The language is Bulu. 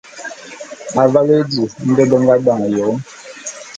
Avale di nde be nga dane Yom.